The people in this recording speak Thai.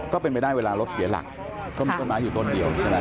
ก็เป็นไปได้เวลารถเสียหลักก็มีต้นไม้อยู่ต้นเดียวใช่ไหม